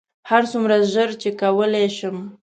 هرڅومره ژر چې کولی شم.